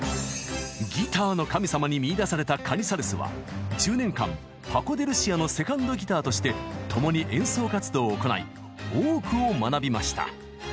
ギターの神様に見いだされたカニサレスは１０年間パコ・デ・ルシアのセカンドギターとして共に演奏活動を行い多くを学びました。